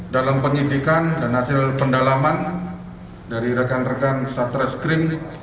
dalam penyidikan dan hasil pendalaman dari rekan rekan satreskrim